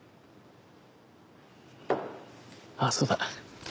あっそうだ。